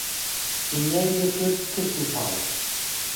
دنیای لێ کرد ترش و تاڵ